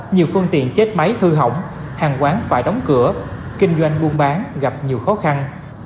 nhiều phương tiện chết máy hư hỏng hàng quán phải đóng cửa kinh doanh buôn bán gặp nhiều khó khăn